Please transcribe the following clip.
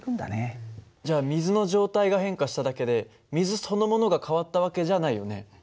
じゃあ水の状態が変化しただけで水そのものが変わった訳じゃないよね。